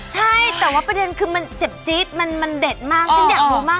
ใช่แต่ว่าประเด็นคือมันเจ็บจี๊ดมันเด็ดมากฉันอยากรู้มาก